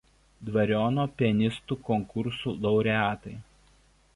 Dvariono pianistų konkursų laureatai.